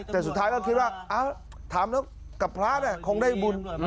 แต่สุดท้ายก็คิดว่าทำแล้วกับพระคงได้บุญ